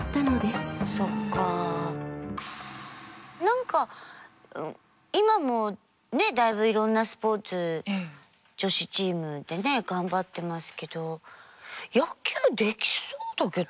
何か今もだいぶいろんなスポーツ女子チームでね頑張ってますけど野球できそうだけど。